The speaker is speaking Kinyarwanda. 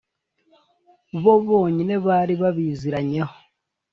bo bonyine bari babiziranyeho